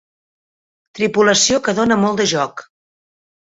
Tripulació que dóna molt de joc.